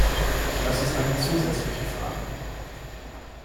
Das ist eine zusätzliche Frage.